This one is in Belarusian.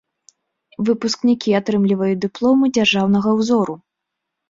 Выпускнікі атрымліваюць дыпломы дзяржаўнага ўзору.